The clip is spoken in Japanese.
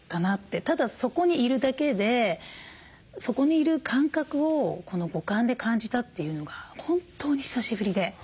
ただそこにいるだけでそこにいる感覚をこの五感で感じたというのが本当に久しぶりで。